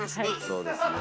そうですねえ。